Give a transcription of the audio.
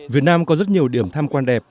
việt nam có rất nhiều điểm tham quan đẹp